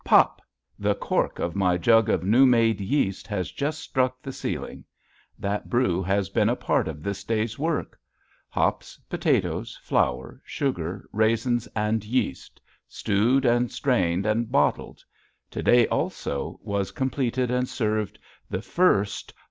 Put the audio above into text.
Pop! The cork of my jug of new made yeast has just struck the ceiling. That brew has been a part of this day's work. Hops, potatoes, flour, sugar, raisins, and yeast; stewed and strained and bottled. To day also was completed and served the first.